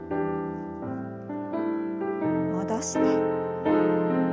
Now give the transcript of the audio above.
戻して。